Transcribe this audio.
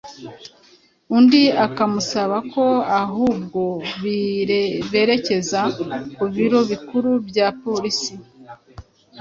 undi akamusaba ko ahubwo berekeza ku biro bikuru bya polisi